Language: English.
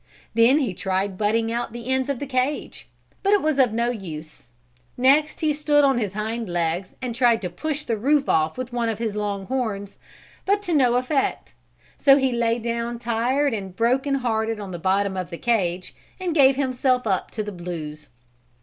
Then he tried butting out the ends of the cage, but it was of no use. Next he stood on his hind legs and tried to push the roof off with his long horns, but to no effect; so he lay down tired and broken hearted on the hard bottom of the cage and gave himself up to the blues.